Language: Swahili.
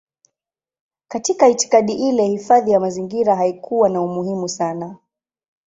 Katika itikadi ile hifadhi ya mazingira haikuwa na umuhimu sana.